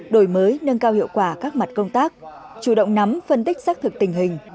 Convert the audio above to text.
đổi mới nâng cao hiệu quả các mặt công tác chủ động nắm phân tích xác thực tình hình